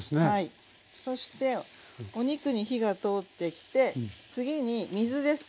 そしてお肉に火が通ってきて次に水です。